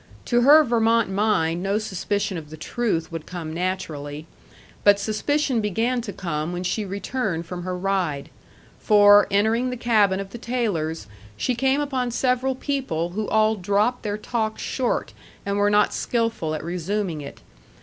To her Vermont mind no suspicion of the truth would come naturally. But suspicion began to come when she returned from her ride. For, entering the cabin of the Taylors', she came upon several people who all dropped their talk short, and were not skilful at resuming it.